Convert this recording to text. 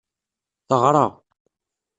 Teɣra.